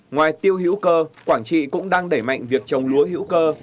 ngoài tiêu hữu cơ quảng trị cũng đang đẩy mạnh việc trồng lúa hữu cơ